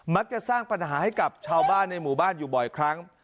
สร้างปัญหาให้กับชาวบ้านในหมู่บ้านอยู่บ่อยครั้ง